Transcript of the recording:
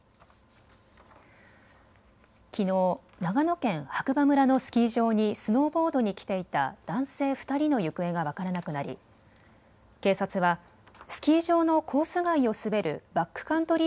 きのう、長野県白馬村のスキー場にスノーボードに来ていた男性２人の行方が分からなくなり警察はスキー場のコース外を滑るバックカントリー